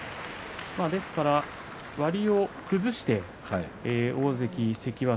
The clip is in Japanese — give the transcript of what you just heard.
ですから割を崩して大関、関脇